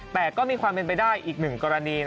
แต่ก็มีความเป็นไปได้อีกหนึ่งกรณี